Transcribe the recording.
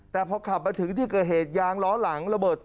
แต่พอขับมาถึงที่เกิดเหตุยางล้อหลังระเบิด